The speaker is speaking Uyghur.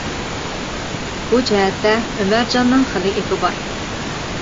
بۇ جەھەتتە ئۆمەرجاننىڭ خېلى ئېپى بار.